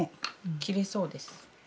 きれいそうです。